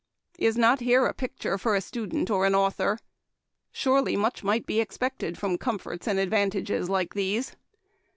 Is not here a picture for a student or an author ? Surely much might be expected from comforts and advantages like these.